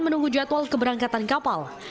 menunggu jadwal keberangkatan kapal